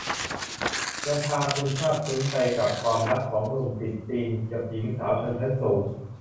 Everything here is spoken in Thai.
ยังพาคุณซาบซึ้งไปกับความรักของหนุ่มติดดินกับหญิงสาวชนชั้นสูง